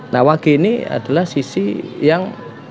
nah wage ini adalah sisi yang